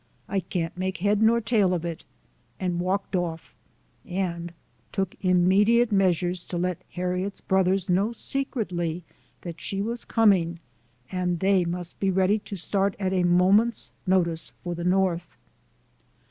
I can't make head nor tail of it," and walked off and took immediate measures to let Harriet's brothers know secretly that she was coming, and they must be ready to start at a moment's notice for the North.